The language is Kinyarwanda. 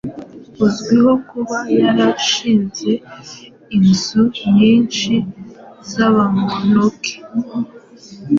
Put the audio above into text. uzwiho kuba yarashinze inzu nyinshi z’abamonaki,